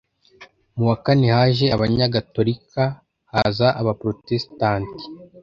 mu wa kane haje abanyagatolika, haza abaprotestanti